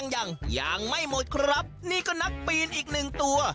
ยังยังไม่หมดครับนี่ก็นักปีนอีกหนึ่งตัว